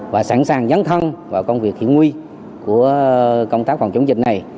và sẵn sàng dấn thân vào công việc thiện nguy của công tác phòng chống dịch này